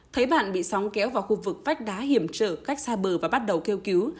thấy bạn bị sóng kéo vào khu vực vách đá hiểm trở cách xa bờ và bắt đầu kêu cứu